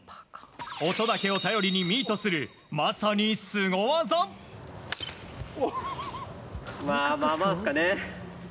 音だけを頼りにミートする、まあまあですかね。